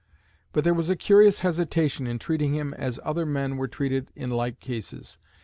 But there was a curious hesitation in treating him as other men were treated in like cases.